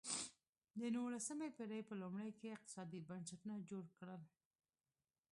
د نولسمې پېړۍ په لومړیو کې اقتصادي بنسټونه جوړ کړل.